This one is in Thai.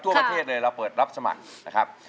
ทั่วประเทศเลยเราเปิดรับสมัครนะครับ